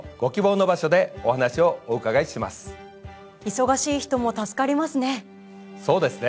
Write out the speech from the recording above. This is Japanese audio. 忙しい人も助かりますね。